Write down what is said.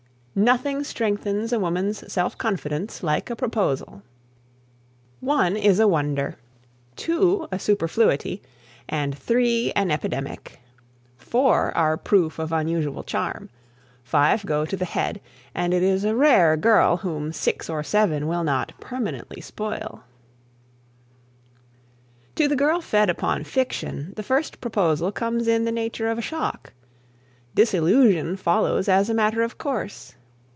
Nothing strengthens a woman's self confidence like a proposal. One is a wonder, two a superfluity, and three an epidemic. Four are proof of unusual charm, five go to the head, and it is a rare girl whom six or seven will not permanently spoil. [Sidenote: Disillusion] To the girl fed upon fiction, the first proposal comes in the nature of a shock. Disillusion follows as a matter of course.